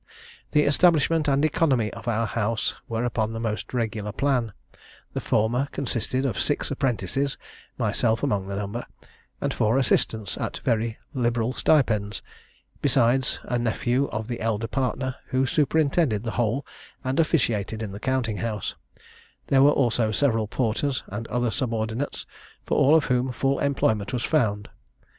The establishment and economy of our house were upon the most regular plan; the former consisted of six apprentices (myself among the number), and four assistants at very liberal stipends, besides, a nephew of the elder partner, who superintended the whole and officiated in the counting house; there were also several porters and other subordinates, for all of whom full employment was found.